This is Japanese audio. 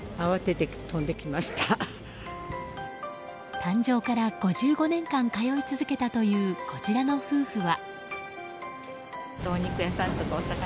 誕生から５５年間通い続けたという、こちらの夫婦は。